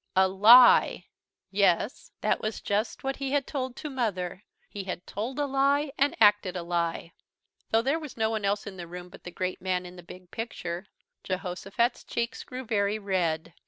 A lie! Yes, that was just what he had told to Mother. He had told a lie, and acted a lie. Though there was no one else in the room but the great man in the big picture, Jehosophat's cheeks grew very red.